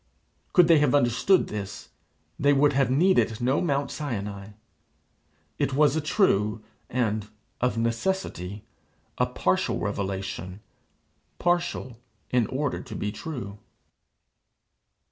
Could they have understood this, they would have needed no Mount Sinai. It was a true, and of necessity a partial revelation partial in order to be true.